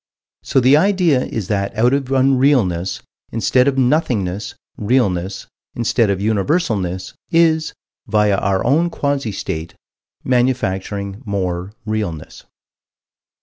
So the idea is that out of Unrealness, instead of Nothingness, Realness, instead of Universalness, is, via our own quasi state, manufacturing more Realness.